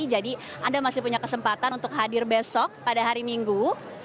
jadi anda masih punya kesempatan untuk hadir besok pada hari minggu